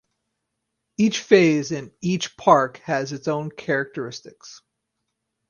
Each phase and each park has its own characteristics.